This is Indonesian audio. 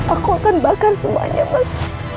aku akan bakar semuanya mas